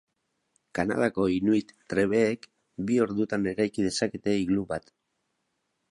Kanadako inuit trebeek bi orduan eraiki dezakete iglu bat.